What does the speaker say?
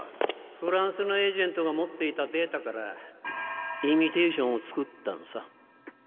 フランスのエージェントが持っていたデータからイミテーションを作ったのさ。